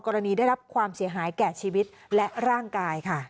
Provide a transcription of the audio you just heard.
ได้รับความเสียหายแก่ชีวิตและร่างกายค่ะ